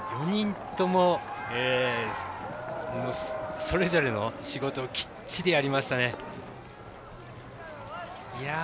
４人ともそれぞれの仕事をきっちりやりましたね。